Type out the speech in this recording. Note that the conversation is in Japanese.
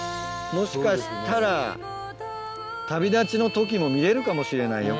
もしかしたら旅立ちの時も見れるかもしれないよ